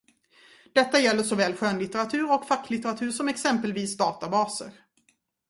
Detta gäller såväl skönlitteratur och facklitteratur som exempelvis databaser.